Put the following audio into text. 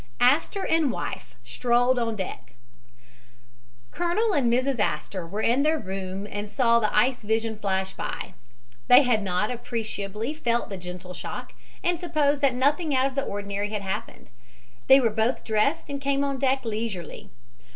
ASTOR AND WIFE STROLLED ON DECK Colonel and Mrs. Astor were in their room and saw the ice vision flash by. They had not appreciably felt the gentle shock and supposed that nothing out of the ordinary had happened. They were both dressed and came on deck leisurely.